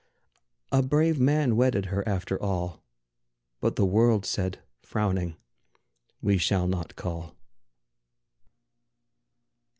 A brave man wedded her after all, But the world said, frowning, "We shall not call."